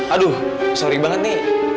aduh sorry banget nih